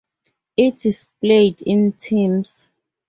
It is played in teams.